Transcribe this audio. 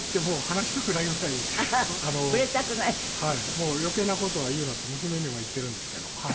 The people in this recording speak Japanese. もう「余計な事は言うな」って娘にも言ってるんですけど。